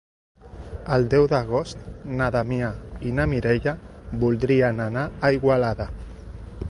El deu d'agost na Damià i na Mireia voldrien anar a Igualada.